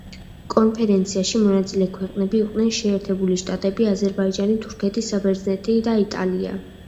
კონფერენციაში მონაწილე ქვეყნები იყვნენ შეერთებული შტატები, აზერბაიჯანი, თურქეთი, საბერძნეთი და იტალია.